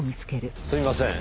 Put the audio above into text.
すいません。